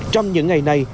trong những ngày này